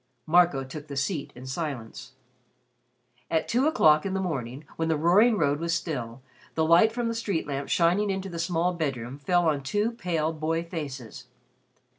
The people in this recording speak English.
Marco took the seat in silence. At two o'clock in the morning, when the roaring road was still, the light from the street lamp, shining into the small bedroom, fell on two pale boy faces.